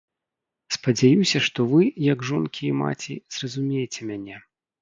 Спадзяюся, што вы, як жонкі і маці, зразумееце мяне.